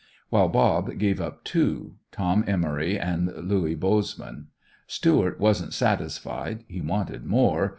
While "Bob" gave up two, "Tom" Emory and Louis Bozman. Stuart wasn't satisfied, he wanted more.